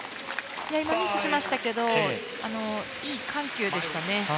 今のはミスしましたけどいい緩急でしたね。